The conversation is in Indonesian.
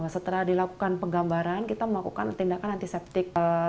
setelah dilakukan penggambaran kita melakukan tindakan antiseptik